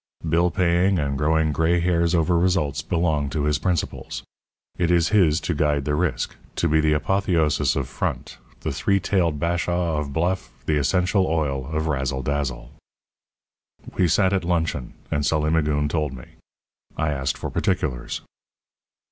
Bill paying and growing gray hairs over results belong to his principals. It is his to guide the risk, to be the Apotheosis of Front, the three tailed Bashaw of Bluff, the Essential Oil of Razzle Dazzle. We sat at luncheon, and Sully Magoon told me. I asked for particulars.